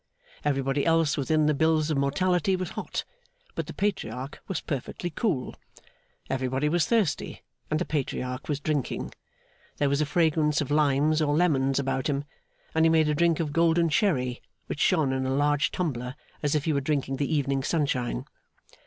Everybody else within the bills of mortality was hot; but the Patriarch was perfectly cool. Everybody was thirsty, and the Patriarch was drinking. There was a fragrance of limes or lemons about him; and he made a drink of golden sherry, which shone in a large tumbler as if he were drinking the evening sunshine.